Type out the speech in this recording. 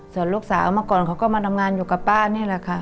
ส่วนลูกสาวเมื่อก่อนเขาก็มาทำงานอยู่กับป้านี่แหละค่ะ